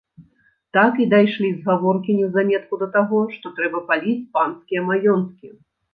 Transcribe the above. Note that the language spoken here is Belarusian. Так і дайшлі з гаворкі неўзаметку да таго, што трэба паліць панскія маёнткі.